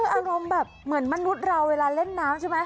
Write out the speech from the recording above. คืออารมณ์แบบเหมือนมนุษย์เราเวลาเล่นน้ำใช่ไหม